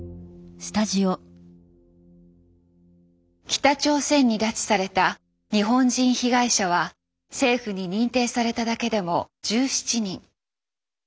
北朝鮮に拉致された日本人被害者は政府に認定されただけでも１７人。